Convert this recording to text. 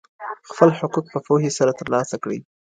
خپل حقوق په پوهې سره ترلاسه کړئ.